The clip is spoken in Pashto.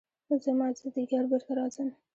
زه مازديګر بېرته راځم.